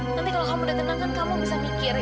nanti kalau kamu udah tenang kan kamu bisa mikir